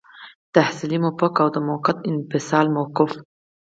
تحصیلي موقف او د موقت انفصال موقف.